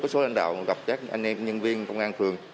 số lãnh đạo gặp các anh em nhân viên công an phường